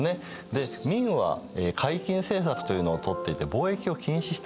で明は海禁政策というのをとっていて貿易を禁止したんですね。